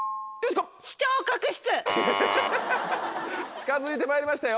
近づいてまいりましたよ。